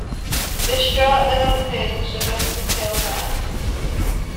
Distraught and unhinged enough to kill her...